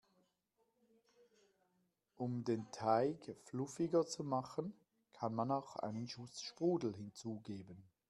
Um den Teig fluffiger zu machen, kann man auch einen Schuss Sprudel hinzugeben.